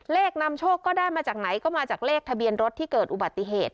นำโชคก็ได้มาจากไหนก็มาจากเลขทะเบียนรถที่เกิดอุบัติเหตุ